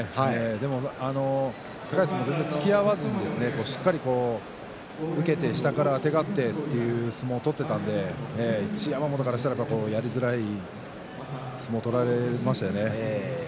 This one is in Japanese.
でも高安は、つきあわずにしっかり両手で下からあてがってという相撲を取っていたので一山本からしたらやりづらい相撲を取られましたよね。